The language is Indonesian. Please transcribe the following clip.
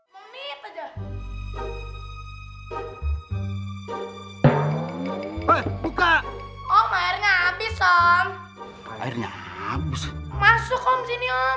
buka om airnya habis om airnya habis masuk om sini om